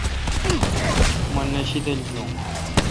مہ نہ شیدل جوُن۔